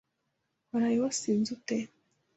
Waraye wasinze ute?